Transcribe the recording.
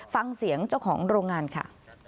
ฟังเสียงเจ้าของโรงงานค่ะ